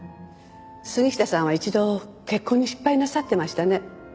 杉下さんは一度結婚に失敗なさってましたね。